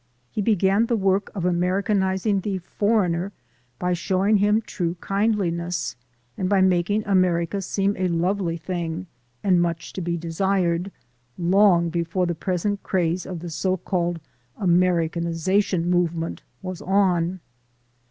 He began the work of Americanizing the "foreigner" by showing him true kindliness and by making America seem a lovely thing and much to be desired, long before the present craze of the so called Americanization movement was on.